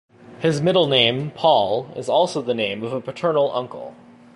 His middle name, Paul, is also the name of a paternal uncle.